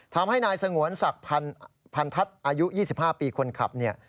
ทำให้นายสงวนศักดิ์พันทัศน์อายุ๒๕ปีคนขับเนี่ย